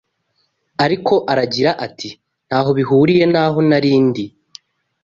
ariko aragira ati ’ntaho bihuriye n’aho nari ndi"